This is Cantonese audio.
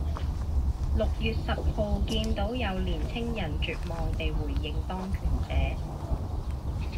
六月十號見到有年青人絕望地回應當權者